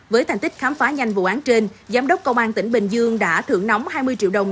với thành tích khám phá nhanh vụ án trên giám đốc công an tỉnh bình dương đã thưởng nóng hai mươi triệu đồng